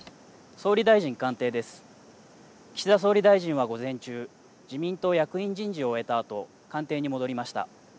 岸田総理大臣は午前中自民党役員人事を終えたあと官邸に戻りました。